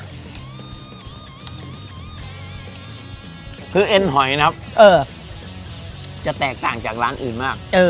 คือเอ็นหอยนะครับจะแตกต่างจากร้านอื่นมาก